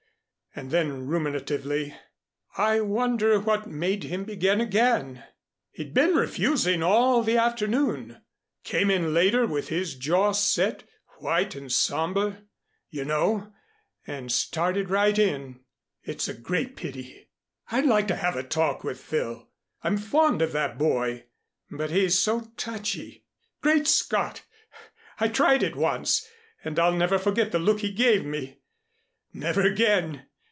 And then ruminatively, "I wonder what made him begin again. He'd been refusing all the afternoon. Came in later with his jaw set white and somber you know and started right in. It's a great pity! I'd like to have a talk with Phil. I'm fond of that boy. But he's so touchy. Great Scott! I tried it once, and I'll never forget the look he gave me. Never again!